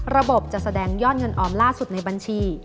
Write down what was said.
ระบบจะแสดงยอดเงินออมล่าสุดในบัญชี